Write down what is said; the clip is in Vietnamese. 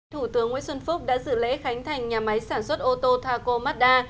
thủ tướng nguyễn xuân phúc đã dự lễ khánh thành nhà máy sản xuất ô tô taco mazda